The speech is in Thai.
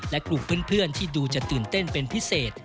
และกลุ่มเพื่อนที่ดูจะตื่นเต้นเป็นพิเศษ